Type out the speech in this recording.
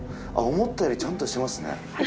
思ったよりちゃんとしてますね。